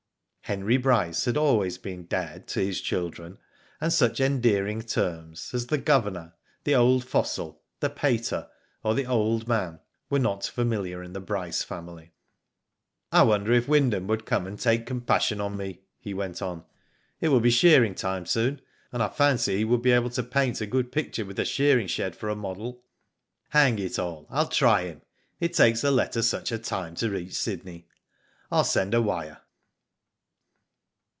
Henry Bryce had always been "dad" to his children, and such endearing terms as " the governor/' "the old fossil," "the pater," or "the old man," were not familiar in the Bryce family. " I wonder if Wyndham would come and take compassion on me," he went on. " It will be shearing time soon, and I fancy he would be able to paint a good picture with the shearing shed for a model." "Hang it all, Til try him. It takes a letter such a time to reach Sydney. Fll send a wire."